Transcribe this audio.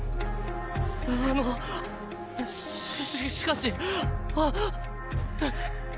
あのししかしあっえっ？